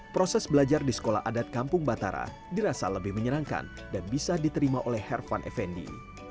proses belajar di sekolah adat kampung batara dirasa lebih menyenangkan dan bisa diterima oleh hervan effendi